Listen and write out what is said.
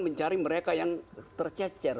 mencari mereka yang tercecer